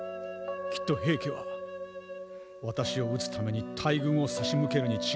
きっと平家は私を討つために大軍を差し向けるに違いないのだ。